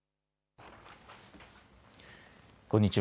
こんにちは。